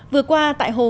vừa qua tại hồ văn